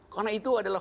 karena itu adalah